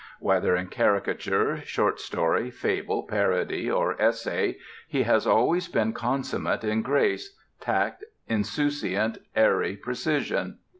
Whether in caricature, short story, fable, parody, or essay, he has always been consummate in grace, tact, insouciant airy precision.